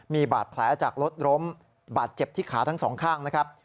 มีบาดแผลจากรถล้มบาดเจ็บที่ขาทั้งสองข้างนะครับ